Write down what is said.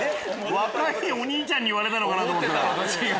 若いお兄ちゃんに言われたのかな？と思ったら。